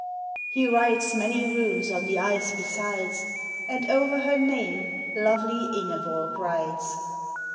He writes many runes on the ice besides, And over her name lovely Ingeborg rides.